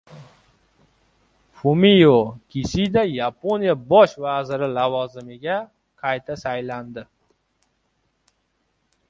Fumio Kisida Yaponiya bosh vaziri lavozimiga qayta saylandi